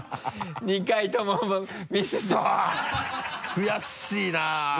悔しいな。